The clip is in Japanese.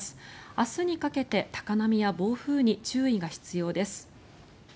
明日にかけて高波や暴風に注意が必要です。